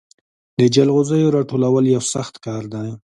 د جلغوزیو راټولول یو سخت کار دی.